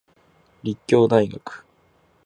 立教大学